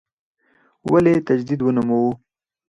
ولې تجدید ونوموو.